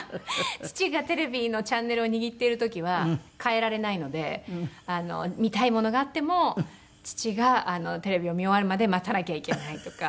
父がテレビのチャンネルを握っている時は変えられないので見たいものがあっても父がテレビを見終わるまで待たなきゃいけないとか。